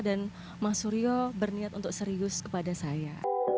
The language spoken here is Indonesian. dan mas suryo berniat untuk serius kepada saya